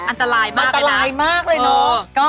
อันตรายมากเลยนะ